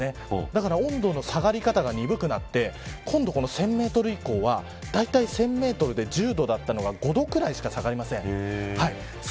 だから温度の下がり方が鈍くなって今度１０００メートル以降はだいたい１０００メートル２０度だったのが５度くらいしか下がりません。